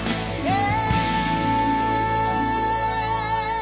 え。